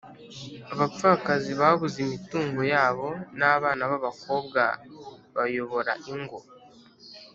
abapfakazi babuze imitungo yabo n'abana b'abakobwa bayobora ingo